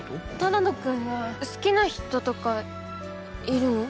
只野くんは好きな人とかいるの？